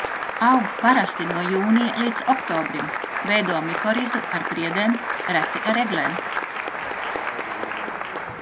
Aug parasti no jūnija līdz oktobrim, veido mikorizu ar priedēm, reti ar eglēm.